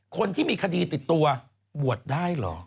คนที่มีคดีติดตัวบวชได้เหรอ